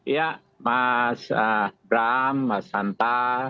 ya mas bram mas hanta